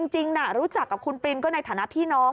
จริงรู้จักกับคุณปรินก็ในฐานะพี่น้อง